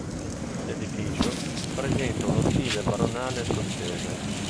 L'edificio presenta uno stile baronale scozzese.